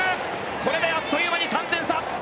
これであっという間に３点差。